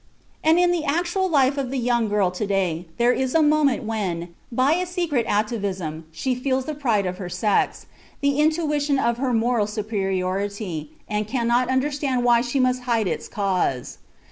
And in the actual life of the young girl to day there is a moment when, by a secret atavism, she feels the pride of her sex, the intuition of her moral superiority, and cannot understand why she must hide its cause.